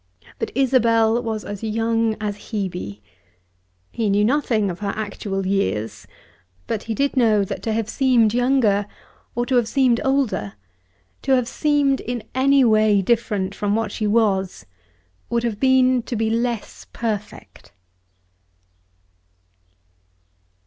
But Isabel was as young as Hebe. He knew nothing of her actual years, but he did know that to have seemed younger, or to have seemed older, to have seemed in any way different from what she was, would have been to be less perfect.